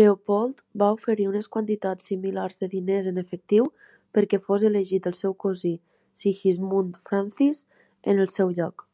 Leopold va oferir unes quantitats similars de diners en efectiu perquè fos elegit el seu cosí Sigismund Francis en el seu lloc.